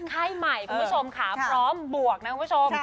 ไข้ใหม่คุณผู้ชมค่ะพร้อมบวกนะคุณผู้ชม